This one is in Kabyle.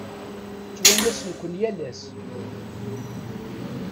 Ttwanasen-ken yal ass.